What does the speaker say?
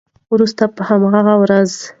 وروسته په همغه ورځ